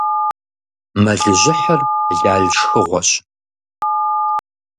Мэлыжьыхьыр лал шхыгъуэщ.